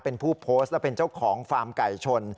เป็นผู้โพสต์และเป็นเจ้าของฟาร์มไก่ชน